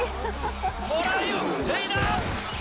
トライを防いだ！